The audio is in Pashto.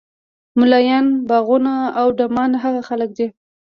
ملایان، غوبانه او ډمان هغه خلک دي.